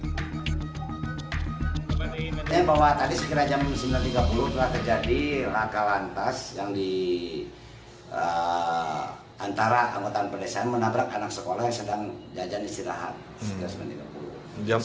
tanya bahwa tadi sekitar jam sembilan tiga puluh telah terjadi raka lantas yang di antara anggota pedesaan menabrak anak sekolah yang sedang jajan istirahat